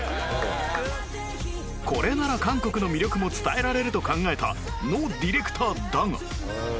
これなら韓国の魅力も伝えられると考えたノディレクターだが